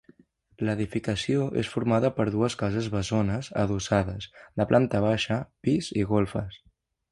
L'edificació és formada per dues cases bessones adossades, de planta baixa, pis i golfes.